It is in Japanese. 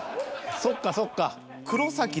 そっかそっか。